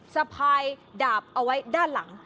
สะพายดาบเอาไว้ด้านหลัง